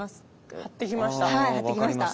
張ってきました。